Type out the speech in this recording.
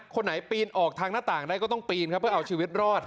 คนไหนปีนออกทางหน้าต่างได้ก็ต้องปีนครับเพื่อเอาชีวิตรอด